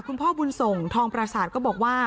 คุณพ่อบุญส่งทองประสาทก็บอกว่า